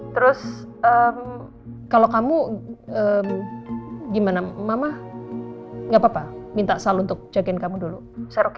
terus kalau kamu gimana mama nggak papa minta sal untuk jagain kamu dulu saya oke